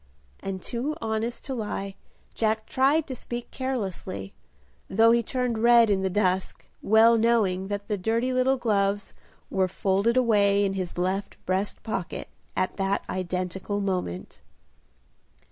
and too honest to lie, Jack tried to speak carelessly, though he turned red in the dusk, well knowing that the dirty little gloves were folded away in his left breast pocket at that identical moment.